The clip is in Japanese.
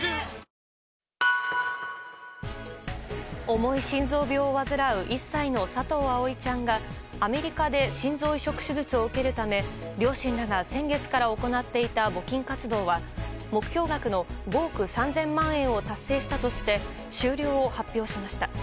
重い心臓病を患う１歳の佐藤葵ちゃんがアメリカで心臓移植手術を受けるため両親らが先月から行っていた募金活動は目標額の５億３０００万円を達成したとして終了を発表しました。